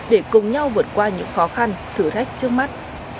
để cùng nhau vượt qua những khó khăn thử thách trước mắt